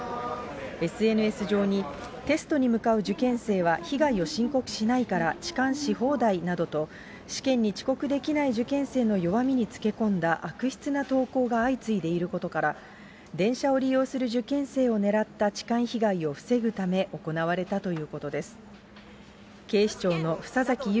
ＳＮＳ上に、テストに向かう受験生は被害を申告しないから痴漢し放題などと、試験に遅刻できない受験生の弱みにつけ込んだ悪質な投稿が相次いでいることから、電車を利用する受験生を狙った痴漢被害を防ぐため行われたということです。